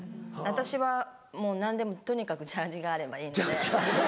私はもう何でもとにかくジャージーがあればいいので。